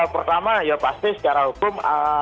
pertama ya pasti secara hukum